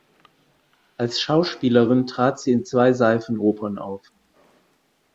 Als Schauspielerin trat sie in zwei Seifenopern auf.